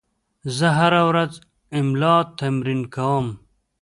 زه هره ورځ املا تمرین کوم.